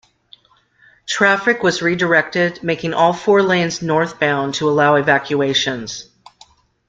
Traffic was redirected, making all four lanes northbound to allow evacuations.